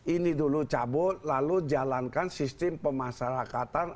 ini dulu cabut lalu jalankan sistem pemasarakatan